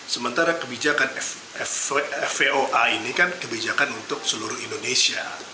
sementara kebijakan fvo ini kan kebijakan untuk seluruh indonesia